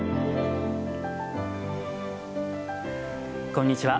こんにちは。